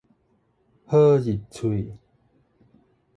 好入喙